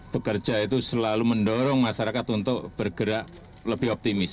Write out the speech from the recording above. pekerja itu selalu mendorong masyarakat untuk bergerak lebih optimis